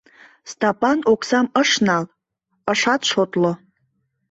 Стапан оксам ыш нал, ышат шотло.